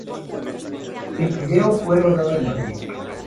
El video fue rodado en Madrid.